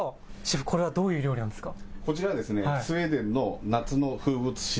これはどういう料理なんですか。